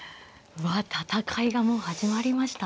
うわ戦いがもう始まりました。